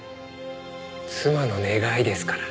妻の願いですから。